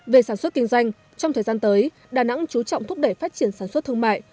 về sản xuất kinh doanh trong thời gian tới đà nẵng chú trọng thúc đẩy phát triển sản xuất thương mại